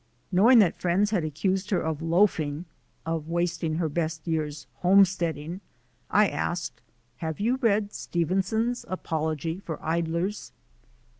Knowing that friends had accused her of loaf ing — "of wasting her best years homesteading," I asked: "Have you read Stevenson's ' Apology for Idlers?'"